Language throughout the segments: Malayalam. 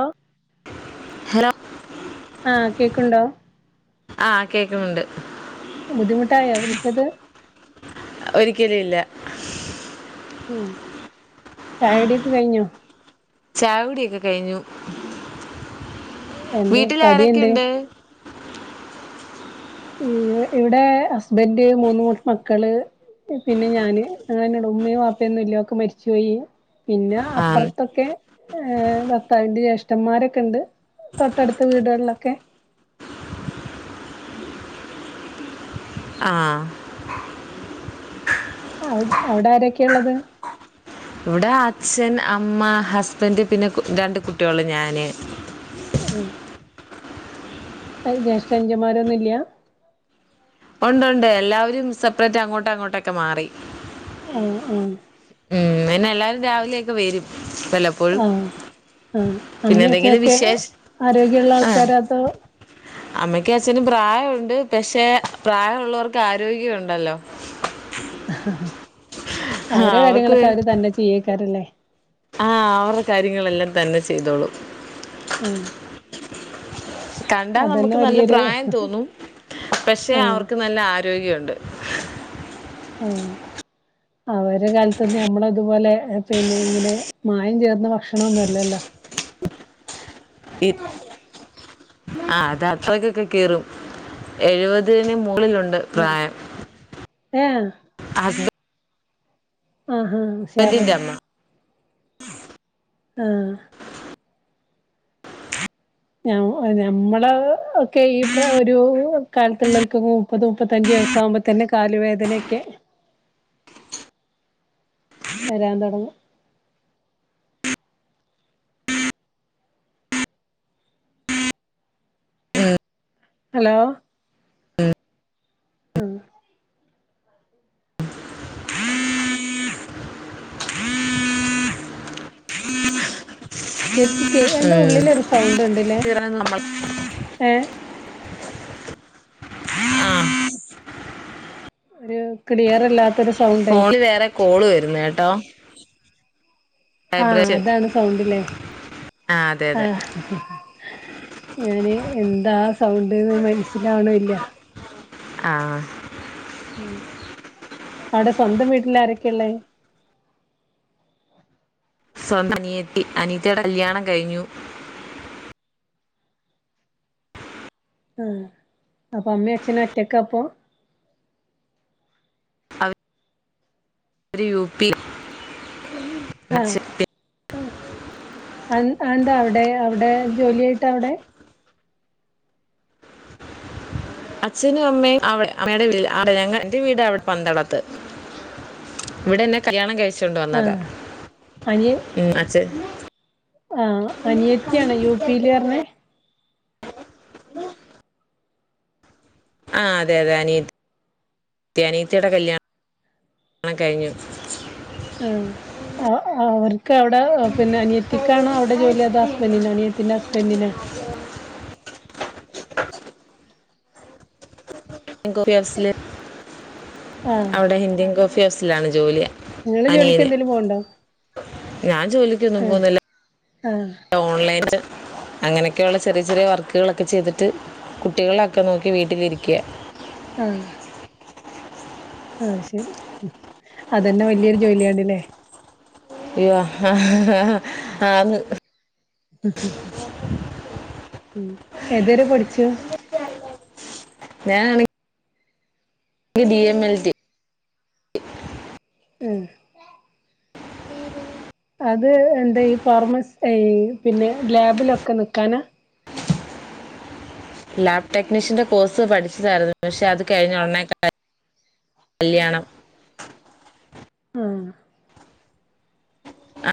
ഓ ഹലോ ആ കേക്കുണ്ടോ ആഹ് കേൾക്കുന്നുണ്ട് ബുദ്ധിമുട്ടായോ വിളിച്ചത് ഒരിക്കലുംഇല്ല മ്മ്മ് ചായ കുടിയൊക്കെ കഴിഞ്ഞോ ചായ കുടിയൊക്കെ കഴിഞ്ഞു ന്തേ വീട്ടിൽ കടിയെന്തെ ആരൊക്കെയുണ്ട് യ്യോ ഇവിടെ ഹസ്ബൻഡ് മൂന്നു കൂട് മക്കള് പിന്നെ ഞാന് അങ്ങനാണ് ഉമ്മയും ബാപ്പയും ഒന്നുല്ല ഒരൊക്കെ മരിച്ചു പോയി പിന്നെ ആ അപ്പുറത്തൊക്കെ ഭർത്താവിന്റെ ജേഷ് ട്ടൻ മാരൊക്കെ ഇണ്ട് തൊട്ടടുത്ത വീടുകളിലൊക്കെ അഹ് ആഹ് അവിടാരെക്കെയാ ഉള്ളത് ഇവിടെ അച്ഛൻ അമ്മ ഹസ്ബൻഡ് പിന്നെ രണ്ട് കുട്ട്യോള് ഞാന്. മം ജേഷ്ട്ടനുജന്മാരൊന്നു ഇല്ല്യ ഒണ്ട് ഒണ്ട് എല്ലാവരും സെപ്രേറ്റാ അങ്ങോട്ട്‌ അങ്ങോട്ടേക്കേ മാറി ആഹ് ആഹ് മ്മ്മ് പിന്നെ എല്ലാരും രാവിലെ ഒക്കെ വരും വല്ലപ്പോഴും ആഹ് ആഹ് പിന്നെ അമ്മേ എന്തെങ്കിലും അച്ഛനൊക്കെ വിശേഷ ആരോഗ്യഒള്ള ആൾക്കാരതോ അമ്മക്കും അച്ഛനും പ്രായം ഉണ്ട് പക്ഷെ പ്രായം ഉള്ളവർക്ക് ആരോഗ്യം ഉണ്ടല്ലോ [unintelligible] ഹ ഹ അവരെ കാര്യങ്ങൾ അവർക്ക് അവര് തന്നെ ചെയ്യയിക്കാരം ലെ ആ അവരെ കാര്യങ്ങൾ എല്ലാം തന്നെ ചെയ്തോളും ഉം കണ്ട നമുക്ക് നല്ല പ്രായം തോന്നും പക്ഷെ ആഹ് അവർക്ക് നല്ല ആരോഗ്യം ഉണ്ട് ആ അവരെ കാലത്തൂന്നും ഞമ്മളെ ഇതു പോലെ മായം ചാർന്ന ഭക്ഷണം അല്ലല്ലോ ആ അത് അത്രക്കൊക്കെ കീറും എഴുപതിന് മുകളിലു ണ്ട് പ്രായം ഏ ആഹഹ ഉഷാറ ഹസ്ബൻഡിന്റെ അമ്മ ആഹ ഞമ്മള ഒക്കെ ഈ ഒരു കാലത്തുള്ളോൽക്ക് മുപ്പത് മുപ്പത്തഞ്ചു വയസ ആവുമ്പോ തന്നെ കാലുവേദനൊക്കെ വരാൻ തോടങ്ങും ഹലോ ആഹ ശരിക്ക കേ എന്താ ഉള്ളിലൊരു സൗണ്ട് ണ്ട് തീറ നമ്മളെ ഒരു കിളിയറല്ലാത്തോരു ഫോണ് വേറെ കോള് വരുന്നേ ട്ടോ ആഹ് അതാണ് സൗണ്ട് ല്ലേ ആ അതെ അതെ ആഹ് ഞാന് എന്താ സൗണ്ട്ന്ന് മനസിലാവുണില്ല ആഹ് ഉം അവിടെ സ്വന്തം വീട്ടില ആരൊക്കെയ ഉള്ളേ? സ്വന്തം [unintelligible] അനിയത്തി അനീത്തിയുടെ കല്യാണം കഴിഞ്ഞു ആഹ് അപ്പൊ അമ്മിം അച്ഛനും ഒറ്റക്കാപ്പോ? അവര് യു പി [unintelligible] ആ അഎന്താ അവിടെ? അവടെ ജോലിയായിട്ട അവടെ? അച്ഛനും അമ്മയും അടെ അമ്മയുടെ വീട്ടിൽ [unintelligible] എന്റെ വീട് അവിടെ പന്തളത്ത്, ഇവിടെ എന്നെ കല്യാണം കഴിച് ച്ചോണ്ട് വന്നതാ. ആഹ് അനിയ ഉം അച്ഛൻ ആഹ് എന്നിട്ട് കമ്പി അനിയത്തിയാണ് യു പിയില് കിട്ടിയാക്കുന്നുണ്ട് പറഞ്ഞേ? ആ അതെ അതെ അനിയ [inaudible] അനിയത്തിയുടെ കല്യാണം കഴിഞ്ഞു. ആ അ അവർക്ക് അവിടെ പിന്നെ അനിയത്തിക്കാണോ അവിടെ ജോലി അതോ ഹസ്ബൻഡിനോ? അനിയത്തിന്റെ ഹസ്ബൻഡിനോ ൻ കോഫി ഹൗസില് ആഹ് അവിടെ ഇന്ത്യൻ കോഫി ഹൗസിലാണ് ജോലി നിങ്ങള് ജോലിക്ക് അനിയന്. എന്തേലും പോവ്ണ്ടോ ഞാൻ ജോലിക്കൊന്നും ആഹ് പോകുന്നില്ല. ആഹ് ഓൺലൈ അങ്ങനെയൊക്കെയുള്ള ചെറിയ ചെറിയ വർക്കുകൾ ഒക്കെ ചെയ്തിട്ട് കുട്ടികളെയൊക്കെ നോക്കി വീട്ടിൽ ഇരിക്ക്ക- ആഹ് ആ ശരി അത് തന്നെ വലിയൊരു ജോലി ആണില്ലേ ആഹ് ഹാം ആന്ന് മ് ഹ് ഏതുവരെ പഠിച്ചു ഞാനാണെങ്കി- ഡിഎംഎൽടി- മ് അത് എന്താ ഈ ഫാർമസ് ഐ പിന്നെ ലാബിൽ ഒക്കെ നിൽക്കാനാ ലാബ് ടെക്നീഷ്യന്റെ കോഴ്സ് പഠിച്ചതായിരുന്നു പക്ഷേ അത് കഴിഞ്ഞ ഉടനെ എന്റെ കല്യാണം ആ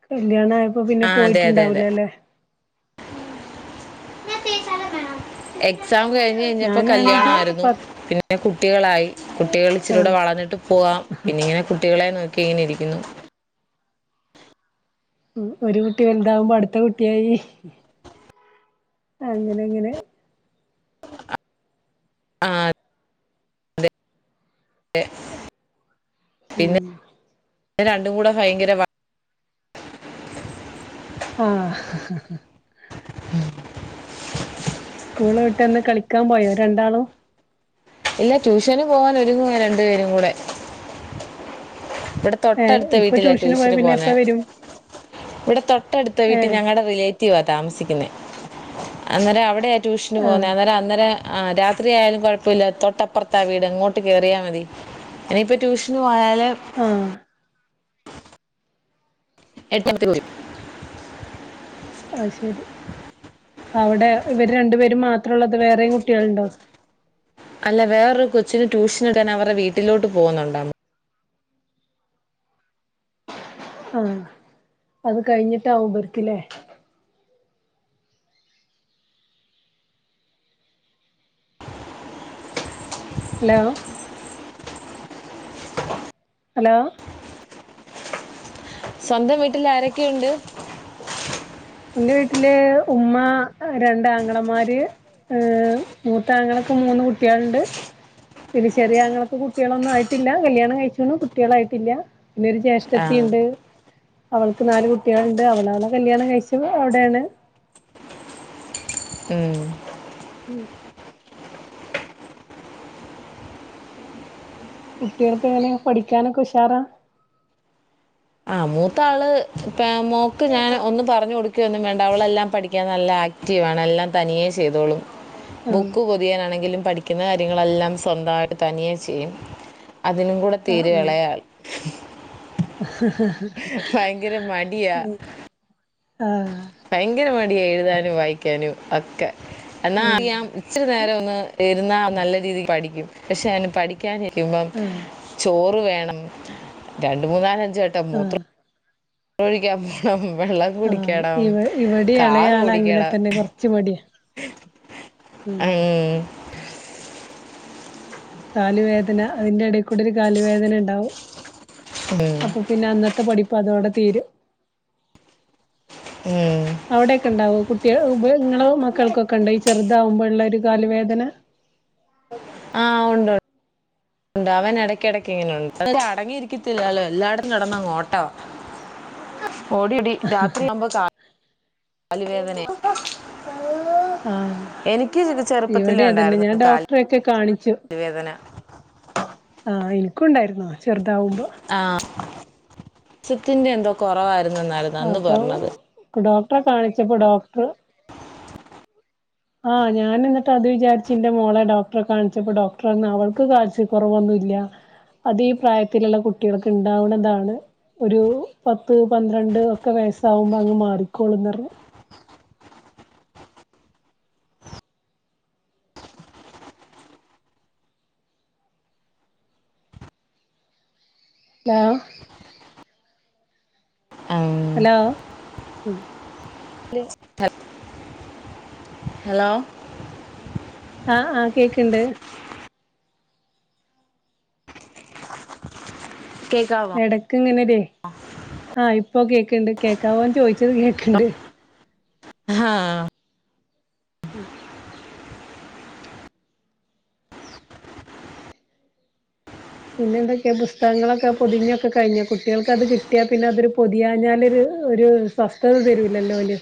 കല്യാണആയപ്പോ പിന്നെ ആ അതെ അതെ അതെ പോയിട്ടുണ്ടാവില്ല അല്ലേ [unintelligible] എക്സാം കഴിഞ്ഞപ്പോൾ പിന്നെ കല്യാണം ഞാനാണെങ്കി ആയിരുന്നു പ കുട്ടികളായി കുട്ടികൾ ഇചിരിയുടെ ആഹ് വളർന്നിട്ട് പോവാം പിന്നെങ്ങനെ കുട്ടികളെ നോക്കി ഇങ്ങനെയിരിക്കുന്നു ഒരു കുട്ടി ഉണ്ടാവുമ്പോൾ അടുത്ത കുട്ടി ഉണ്ടായി അങ്ങനെ അങ്ങനെ ആ അതെ അതെ പിന്നെ പിന്നെ രണ്ടും കൂടെ ഭയങ്കര വാ- ആഹ് സ്കൂൾ വിട്ടു വന്ന കളിക്കാൻ പോയോ രണ്ടാളും എല്ലാ ട്യൂഷന് പോകാൻ ഒരുങ്ങു വാ രണ്ടുപേരും കൂടെ ഇവിടെ ഏഹ് തൊട്ടടുത്ത ഇപ്പൊ വീട്ടിലാ പോയ ട്യൂഷന് പിന്നെ പോകുന്ന എപ്പ വരും ഇവിടെ തൊട്ടടുത്ത വീട്ടിൽ ഏഹ് ഞങ്ങടെ റിലേറ്റീവ് താമസിക്കുന്ന അന്നേരം അവിടെ- ട്യൂഷന് പോന്നേ ആഹ് അന്നേരം അന്നേരം ആ രാത്രിയായാലും കൊഴപ്പമില്ല തൊട്ടപ്പുറത്ത് വീട് ഇങ്ങോട്ട് കയറിയാൽ മതി ആ ഇനിയിപ്പം ട്യൂഷന് പോയാല്- ആ [unintelligible] ആ ശരി അവിടെ ഇവരെ രണ്ടുപേരും മാത്രമേ ഉള്ളോ അതോ വേറെ കുട്ടികളും ഉണ്ടോ അല്ല വേറൊരു കൊച്ചിന് ട്യൂഷൻ എടുക്കാൻ അവരുടെ വീട്ടിലോട്ടു പോന്നുണ്ട്- ആഹ് അത് കഴിഞ്ഞിട്ട് അവൂഃ ഇവർക്കില്ലേ ഹലോ ഹലോ സൺഡേ വീട്ടിൽ ആരൊക്കെയുണ്ട് എൻറെ വീട്ടിലെ ഉമ്മ രണ്ട് ആങ്ങളമാര് മൂത്ത ആങ്ങളയ്ക്ക് മൂന്ന് കുട്ടികളുണ്ട് പിന്നെ ചെറിയ ആങ്ങളയ്ക്ക് കുട്ടികളൊന്നും ആയിട്ടില്ല കല്യാണം കഴിഞ്ഞു കുട്ടികൾ ആയിട്ടില്ല പിന്നെ ഒരു ആ ജ്യേഷ്ഠത്തിയുണ്ട് അവൾക്ക് നാലു കുട്ടിയോൾണ്ട് അവൾ കല്യാണം ഇങ്ങൾ എവിടെ ഉം ഉം കുട്ടിയൽക്കെങ്ങനെ പഠിയ്ക്കാൻ ഒക്കെ ഉഷാറാ ആ മൂത്ത ആൾ ആ മോക്ക് ഞാൻ ഒന്നും പറഞ്ഞു കൊടുക്കേണ്ട ഒന്നും വേണ്ട. പഠിക്കാൻ നല്ല ആക്ടീവ് ആണ്. അവൾ എല്ലാം തനിയെ ചെയ്തോളം ആഹ് ബുക്ക് പൊതിയണമെങ്കിലും പഠിക്കുന്ന കാര്യങ്ങൾ എല്ലാം സ്വന്തമായിട്ട് തനിയെ ചെയ്യും അതിനും കൂടെ തീരെ ആൾ ഹ ഹ ഭയങ്കര മടിയാ ആഹ് ഭയങ്കര മടി ടിയ എഴുതാനും വായിക്കാനും ഒക്കെ എന്നാൽ ഇച്ചിരി നേരമൊന്ന് ഇരുന്നാൽ നല്ല രീതിക്ക് പഠിക്കും ക്ഷേ അവൻ പഠിക്കാൻ ഇരിക്കുമ്പോ ആഹ് ചോ വേണം രണ്ട് മൂന്നാൽ ച് മൂത്ര ആഹ് ഒഴിക്കാൻ പോണം ആ കുടിക്കണം ഇവിടം ഇളയ കാർ ആൾ ഓടിക്കണം അങ്ങനെയാ കൊറച്ചു മടിയാ ഉം, കാലു വേദന അതിൻ്റെ ഇടയിൽ ക്കൂടി കാലു വേദന ഉണ്ടാകും ഉം, അപ്പൊ പിന്നെ അന്നത്തെ പഠി അതോടെ തീരും ഉം. അവടെ ഒക്കെ ഉണ്ടാവോ കുട്ടി ഇങ്ങളെ മക്കൾക്കൊക്കെ ഉണ്ടോ ഈ ചെറുതാവുമ്പോ ഉള്ള കലുവേദന ആ ഉണ്ട് ഉണ്ടാവാൻ ഇടക്ക് ഇടക്ക് ഇങ്ങനെ ഉണ്ട്. ഇവിടേയും അടങ്ങി ഇരിക്കത്തില്ലല്ലോ. എല്ലായിടത്തും കിടന്നങ്ങ് ഓട്ട ഓടി ഓടി രാത്രിയാവുമ്പോ കാൽ കൽവേദന ആ ചെറുപ്പത്തിലേ ഇവിടേം അത് തന്നെ ഉണ്ടായിരുന്നു ഞാൻ കാല് ഡോക്ടരെ ഒക്കെ കാണിച്ചു വേദന ഇന്കുണ്ടായിരുന്നു ചെറുതാവുമ്പോ ചിന്റെ എന്തോ കുറവാ ആ അപ്പൊ ഡോക്ട ട്റെ കാണിച്ചപ്പം ഡോക്ടറ് ആ ഞാൻ എന്നിട്ട് അതു വിചാരിച്ച് ഇന്റെ മോളെ ഡോക്ടറെ കാണിച്ചപ്പം ഡോക്ടറ് പറഞ്ഞു അവൾക്ക് കാൽസ്യക്കൊറവൊന്നു ഇല്ല അത് ഈ പ്രായത്തില്ള്ള കുട്ടികൾക്ക് ഉണ്ടാവുന്നതാണ് ഒരു പത്ത് പന്ത്രണ്ട് രണ്ട് ഒക്കെ വയസാകുമ്പോ അങ്ങ് മാറിക്കോളും എന്ന് പറഞ് ലാ ഉം. ഹലോ ഉം ഹലോ ആഹ് ആ കേക്ക്ണ്ട് കേക്കാവോ എടക്ക് ഇങ്ങനെ ഒരേ ആ ഇപ്പൊ കേക്ക്ണ്ട് കേക്കാവോ ചോയി ച്ചത് കേക്ക്ണ്ട് ആഹ് ആ പിന്നെന്തൊക്കെയാ ബുസ്തകങ്ങളൊക്കെ പൊതിഞ്ഞൊക്കെ കഴിഞ്ഞോ കുട്ടികൾക്ക് അത് കിട്ടിയാ പിന്നെ അതൊരു പൊതിയാഞ്ഞാലൊരു ഒരു സ്വസ്ഥത തരൂലല്ലോ ഓല്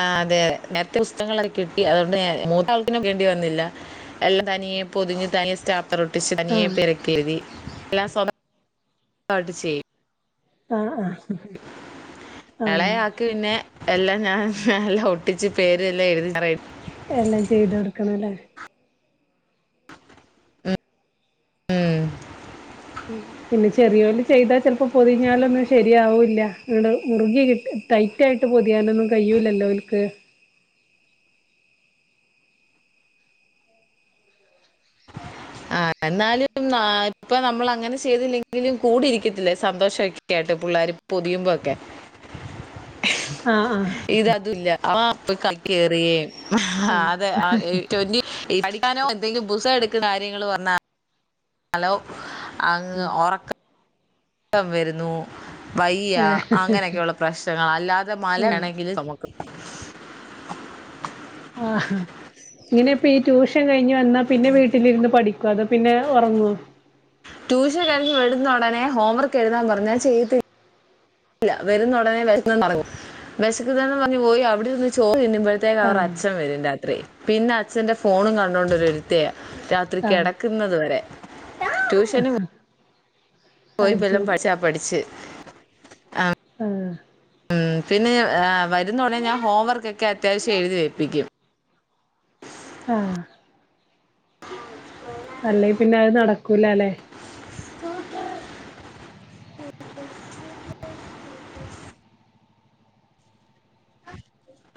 ആഹ് അതെ നേരത്തെ പുസ്തകങ്ങളൊക്കെ കിട്ടി അതുകൊണ്ട് മൂത്തള്ക്ക്‌ പിന്നെ വേണ്ടി വന്നില്ല എല്ലാം തനിയെ പൊതിഞ്ഞ് തനിയെ സ്റ്റാപ് റോട്ടിച്ച് തനിയെ ആഹ് പേരൊക്കെ എഴുതി എല്ലാം സ്വന്തം ആയിട്ട് ചെയ്യും ആഹ് ആ എളയാക്ക് പിന്നെ എല്ലാം ഞാൻ എല്ലാം ഒട്ടിച്ച് പേരെല്ലാം എഴുതി റെ എല്ലാം ചെയ്ത് കൊടുക്കണംലെ ഉം പിന്നെ ചെറിയഓല് ചെയ്താ ചെലപ്പം പൊതിഞ്ഞാൽ ഒന്നും ശെരിയാവൂല്ല ട് മുറുകി കിട്ടി ടൈറ്റായിട്ട് പൊതിയാനൊന്നും കൈയ്യുലല്ലോ ഓൽക്ക് ആ എന്നാലും ആ ഇപ്പ നമ്മള് അങ്ങനെ ചെയ്തില്ലങ്കിലും കൂടിരിക്കതില്ലേ സന്തോഷൊക്കെ ആയിട്ട് പുള്ളാര് പൊതിയുമ്പഴൊക്കെ ആഹ് ആഹ് ഇതതുല്ല അവൻ പോയി കളി കേറിയേ ആഹ് അതെ ആ എഴ് റ്റോന്റി ഈ പഠി ക്കാനോ എന്തേലും പുസ്തകം എടുക്കടാ നിങ്ങള് വന്നാ ഹലോ അങ്ങ് ഒറക്കം ക്കം വരുന്നു വയ്യ അങ്ങനെ ഒക്കെ ഉള്ള പ്രശ്നങ്ങളാ അല്ലാതെ ആഹ് മലണെങ്കില് ആഹ് ആ ഇങ്ങനെ ഇപ്പ റ്റുഷൻ കഴി ഞ് വന്നാ പിന്നെ വീട്ടിലിരുന്ന് പഠി ക്കാതെ പിന്നെ ഒറങ്ങും റ്റുഷൻ കഴിഞ്ഞ് വരുന്ന ഒടനെ ഹോം വർക്ക്‌ എഴുതാൻ പറഞ്ഞാ ചെയ്യത്തി ല്ല വരുന്ന ഒടനെ വേശന്നും തൊടങ്ങും വേശക്കുന്നെന്ന് പറഞ്ഞ് പോയി അവിടെ ചോറ് തിന്നു മ്പഴത്തെന് അവടെ ആഹ് അച്ഛൻ വരും രാ ത്രി പിന്നെ അച്ഛന്റെ ഫോണും കണ്ടോണ്ട് ഒര് ഇരിത്തയാ രാത്രി ആഹ് കെടക്കുന്നത് വരെ ട്യൂഷന് പോയി അത് വല്ലോം ശരി പഠിച്ച പഠിച്ച് ആഹ് ഉം പിന്നെ ഞാൻ ആ വരുന്ന ഉടനെ ഞാൻ ഹോം വർക്കൊക്കെ അത്യാവശ്യം എഴുതി വെപ്പിക്കും ആഹ് അല്ലെ പിന്നെ അത് നടക്കൂലാലെ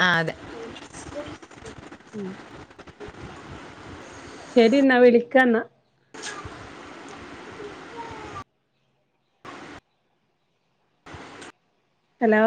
ആഹ് അതെ ശരി എന്ന വിളിക്കാം എന്ന ഹലോ